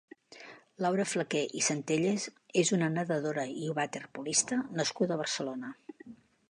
Laura Flaqué i Centellas és una nedadora i waterpolista nascuda a Barcelona.